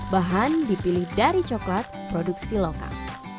bahan dipilih dari coklat produksi lokal